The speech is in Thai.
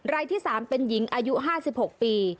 รายที่๓เป็นหญิงอายุ๕๖ปี